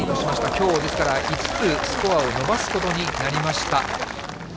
きょう、ですから５つスコアを伸ばすことになりました。